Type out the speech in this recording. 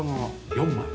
４枚。